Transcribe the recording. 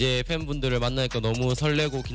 เรามาเมื่อไหร่ทำไมเรามาเมื่อไหร่